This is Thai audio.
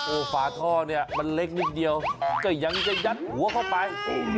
โอฟาท่อมันเล็กนิดเดียวก็ยังจะยัดหัวเข้าไป